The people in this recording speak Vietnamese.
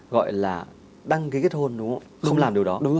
gọi là đăng ký kết hôn đúng không